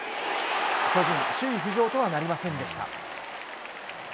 巨人、首位浮上とはなりませんでした。